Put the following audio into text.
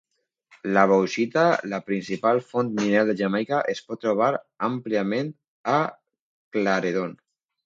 La bauxita, la principal font mineral de Jamaica, es pot trobar àmpliament a Claredon.